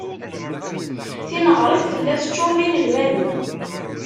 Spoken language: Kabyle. Tineɣrit tella teččur d inelmaden.